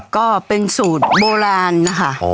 ก็เป็นสูตรโบราณนะคะ